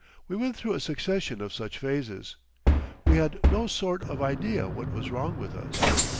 We went through a succession of such phases. We had no sort of idea what was wrong with us.